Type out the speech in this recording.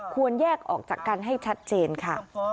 ควรแยกออกจากกันให้ชัดเจนค่ะ